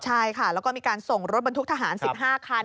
ใช่ค่ะแล้วก็มีการส่งรถบรรทุกทหาร๑๕คัน